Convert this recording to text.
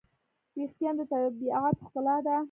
وېښتيان د طبیعت ښکلا ده.